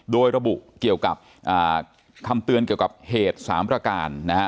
โดยระบุเกี่ยวกับคำเตือนเกี่ยวกับเหตุ๓ประการนะฮะ